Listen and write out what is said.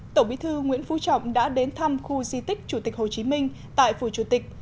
tổng bí thư nguyễn phú trọng đã đến thăm khu di tích chủ tịch hồ chí minh tại phủ chủ tịch